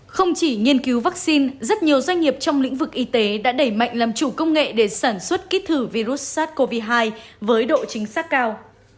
không chỉ nghiên cứu vaccine rất nhiều doanh nghiệp trong lĩnh vực y tế đã đẩy mạnh làm chủ công nghệ để sản xuất ký thử virus sars cov hai với độ chính xác cao